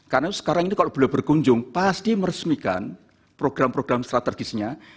karena sekarang ini kalau beliau berkunjung pasti meresmikan program program strategisnya